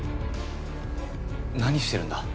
何してるんだ？